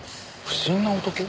不審な男？